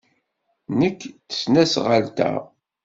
Nnek tesnasɣalt-a?